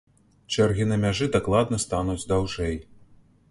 Чэргі на мяжы дакладна стануць даўжэй.